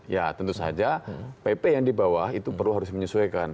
ya tentu saja pp yang di bawah itu perlu harus menyesuaikan